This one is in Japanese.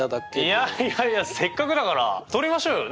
いやいやいやせっかくだから撮りましょうよ！ねえ。